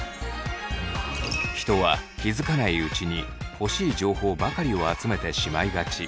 人は気付かないうちに欲しい情報ばかりを集めてしまいがち。